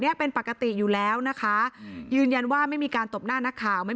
เป็นปกติอยู่แล้วนะคะยืนยันว่าไม่มีการตบหน้านักข่าวไม่